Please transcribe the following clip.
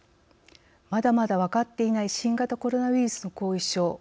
まだまだ分かっていない新型コロナウイルスの後遺症。